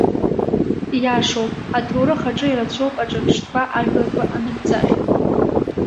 Иашоуп, аҭоурых аҿы ирацәоуп аҿырԥштәқәа ажәларқәа анықәӡаахьоу.